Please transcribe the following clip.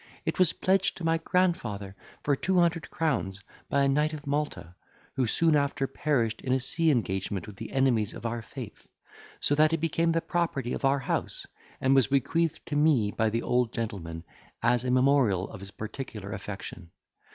It was pledged to my grandfather for two hundred crowns by a knight of Malta, who soon after perished in a sea engagement with the enemies of our faith, so that it became the property of our house, and was bequeathed to me by the old gentleman, as a memorial of his particular affection.